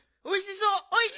おいしそう！